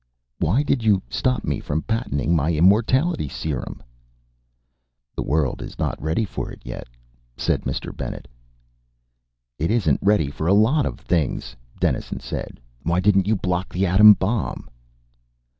"Why did you stop me from patenting my immortality serum?" "The world is not ready for it yet," said Mr. Bennet. "It isn't ready for a lot of things," Dennison said. "Why didn't you block the atom bomb?"